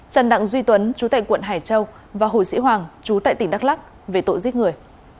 trần đặng duy tuấn chú tệ quận hải châu và hồ sĩ hoàng chú tại tỉnh đắk lắc về tội giết người